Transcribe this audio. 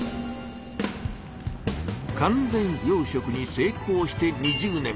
完全養しょくに成功して２０年。